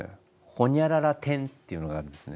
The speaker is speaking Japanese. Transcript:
「ほにゃらら天」っていうのがあるんですね。